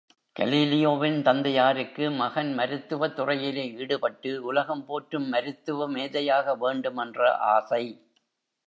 கலீலியோவின் தந்தையாருக்கு மகன் மருத்துவத்துறையிலே ஈடுபட்டு உலகம் போற்றும் மருத்துவ மேதையாக வேண்டும் என்ற ஆசை!